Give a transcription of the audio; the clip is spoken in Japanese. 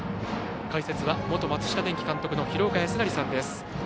解説は元松下電器監督の廣岡資生さんです。